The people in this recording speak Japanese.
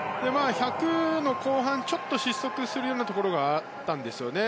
１００の後半ちょっと失速するようなところがあったんですよね。